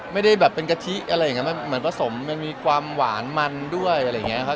ไม่ได้แบบเป็นกะทิอะไรอย่างนี้มันเหมือนผสมมันมีความหวานมันด้วยอะไรอย่างนี้ครับ